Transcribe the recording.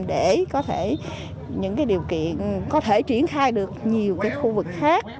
để có thể những cái điều kiện có thể triển khai được nhiều cái khu vực khác